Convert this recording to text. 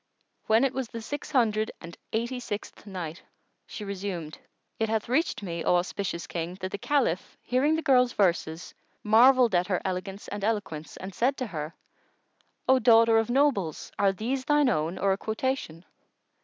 When it was the Six Hundred and Eighty sixth Night, She resumed, It hath reached me, O auspicious King, that the Caliph, hearing the girl's verses, marvelled at her elegance and eloquence, and said to her, "O daughter of nobles, are these thine own or a quotation?"